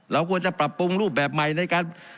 เราควรจะปรับปรุงรูปแบบใหม่ในการ